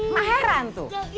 mak heran tuh